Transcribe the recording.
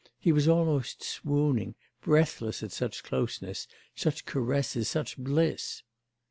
He was almost swooning, breathless at such closeness, such caresses, such bliss.